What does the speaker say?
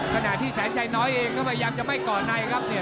ขนาดที่แสนชัยน้อยเองก็พยายามจะไม่ก่อใน